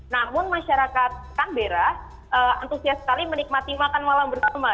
namun masyarakat canberra antusias sekali menikmati makan malam bersama